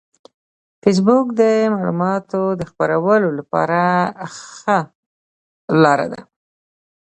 فېسبوک د معلوماتو د خپرولو لپاره ښه لار ده